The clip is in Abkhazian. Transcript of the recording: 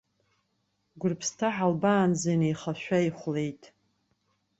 Гәрыԥсҭа ҳалбаанӡа, инеихашәа ихәлеит.